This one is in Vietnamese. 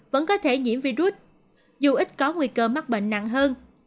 vẫn có thể nhiễm virus dù ít có nguy cơ mắc bệnh nặng hơn